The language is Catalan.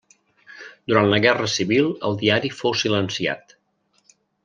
Durant la Guerra Civil, el diari fou silenciat.